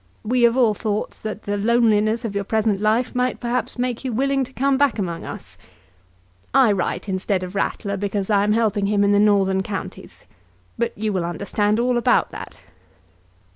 We have all thought that the loneliness of your present life might perhaps make you willing to come back among us. I write instead of Ratler, because I am helping him in the Northern Counties. But you will understand all about that.